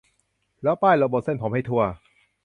แล้วป้ายลงบนเส้นผมให้ทั่ว